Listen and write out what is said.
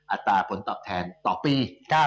อัตราผลตอบแทนต่อปี